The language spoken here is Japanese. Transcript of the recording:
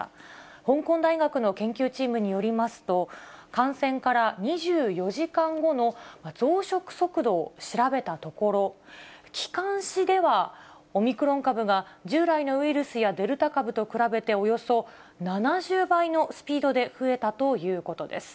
香港大学の研究チームによりますと、感染から２４時間後の増殖速度を調べたところ、気管支では、オミクロン株が従来のウイルスやデルタ株と比べて、およそ７０倍のスピードで増えたということです。